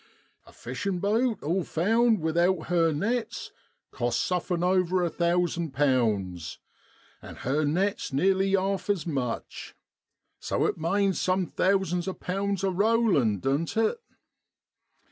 A fishin' boat, all found, without her nets, costs sufrm' over a thousand pounds, and her nets nearly 'arf as much, So it manes some thousands o' pounds a rollin', doan't it